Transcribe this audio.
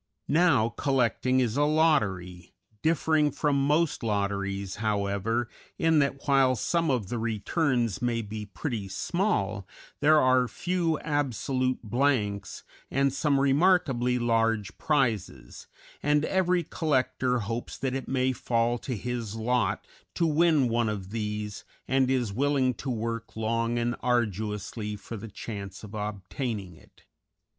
Now collecting is a lottery, differing from most lotteries, however, in that while some of the returns may be pretty small, there are few absolute blanks and some remarkably large prizes, and every collector hopes that it may fall to his lot to win one of these, and is willing to work long and arduously for the chance of obtaining it.